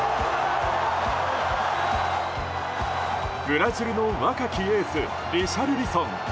ブラジルの若きエースリシャルリソン。